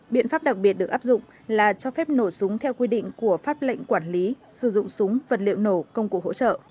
biện pháp đặc biệt được áp dụng là cho phép nổ súng theo quy định của pháp lệnh quản lý sử dụng súng vật liệu nổ công cụ hỗ trợ